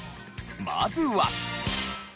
まずは。